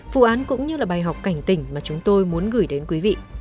vụ án cũng như là bài học cảnh tỉnh mà chúng tôi muốn gửi đến quý vị